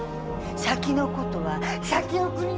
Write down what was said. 先のことは先送り。